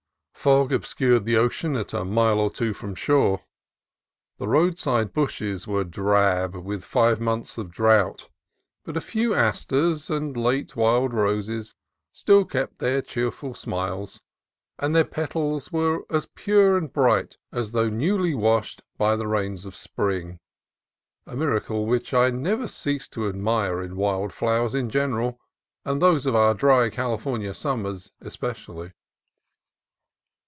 Fog obscured the ocean at a mile or two from shore. The roadside bushes were drab with five months of drought, but a few asters and late wild HALF MOON BAY 239 roses still kept their cheerful smiles, and their petals were as pure and bright as though newly washed by the rains of spring, — a miracle which I never cease to admire in wild flowers in general, and those of our dry California summers especially.